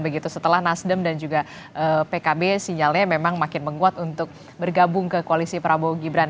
begitu setelah nasdem dan juga pkb sinyalnya memang makin menguat untuk bergabung ke koalisi prabowo gibran